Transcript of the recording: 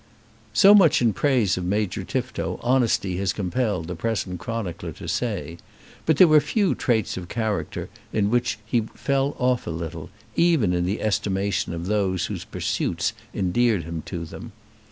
So much in praise of Major Tifto honesty has compelled the present chronicler to say. But there were traits of character in which he fell off a little, even in the estimation of those whose pursuits endeared him to them.